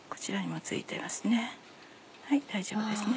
はい大丈夫ですね。